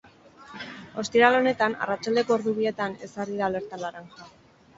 Ostiral honetan, arratsaldeko ordu bietan, ezarri da alerta laranja.